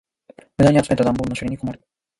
無駄に集めた段ボールの処理に困る。